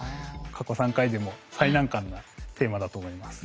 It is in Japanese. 過去３回でも最難関なテーマだと思います。